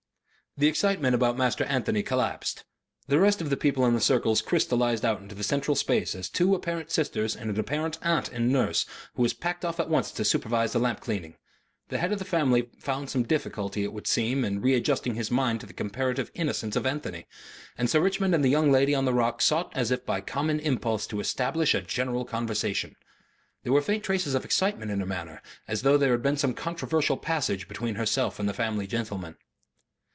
The excitement about Master Anthony collapsed. The rest of the people in the circles crystallized out into the central space as two apparent sisters and an apparent aunt and the nurse, who was packed off at once to supervise the lamp cleaning. The head of the family found some difficulty, it would seem, in readjusting his mind to the comparative innocence of Anthony, and Sir Richmond and the young lady on the rock sought as if by common impulse to establish a general conversation. There were faint traces of excitement in her manner, as though there had been some controversial passage between herself and the family gentleman.